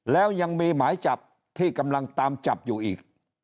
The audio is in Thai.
แล้วยังมีหมายจับที่กำลังตามจับอยู่อีก